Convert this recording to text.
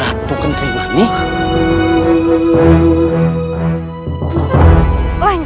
jangan kurang ajar kalian